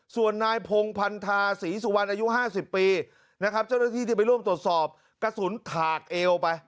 ส่วนนายพงพันธาศรีสุวรรณอายุ๕๐ปีนะครับเจ้าหน้าที่ที่ไปร่วมตรวจสอบกระสุนถากเอวไป